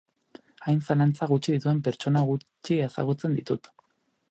Hain zalantza gutxi dituen pertsona gutxi ezagutzen ditut.